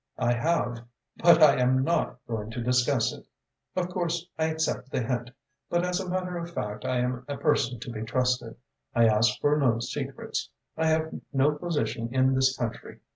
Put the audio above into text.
"I have, but I am not going to discuss it. Of course, I accept the hint, but as a matter of fact I am a person to be trusted. I ask for no secrets. I have no position in this country.